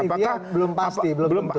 nah tapi kan itu belum pasti belum tentu